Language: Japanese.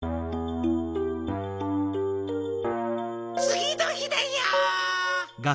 つぎのひだよ。